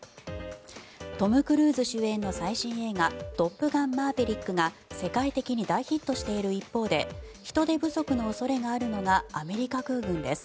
トム・クルーズ主演の最新映画「トップガンマーヴェリック」が世界的に大ヒットしている一方で人手不足の恐れがあるのがアメリカ空軍です。